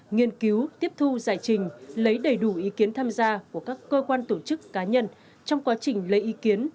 nghiên cứu tiếp thu giải trình lấy đầy đủ ý kiến tham gia của các cơ quan tổ chức cá nhân trong quá trình lấy ý kiến